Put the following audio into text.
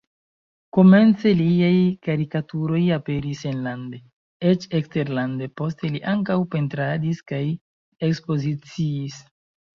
Komence liaj karikaturoj aperis enlande, eĉ eksterlande, poste li ankaŭ pentradis kaj ekspoziciis.